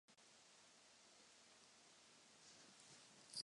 V minulosti to byly jen dotace, dotace, dotace.